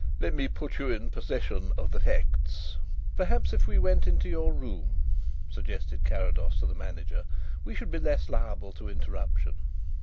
"Let me put you in possession of the facts " "Perhaps if we went into your room," suggested Carrados to the manager, "we should be less liable to interruption."